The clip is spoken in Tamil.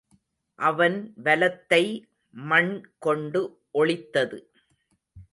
அவன் வலத்தை மண் கொண்டு ஒளித்தது.